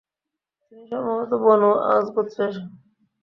তিনি সম্ভবত বনু আওস গোত্রের।